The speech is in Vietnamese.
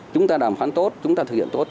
chúng ta đàm phán tốt chúng ta thực hiện tốt